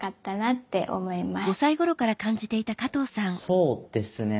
そうですね。